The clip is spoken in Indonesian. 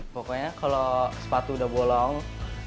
pokoknya kalau sepatu udah bolong itu ditambal pakai bandalem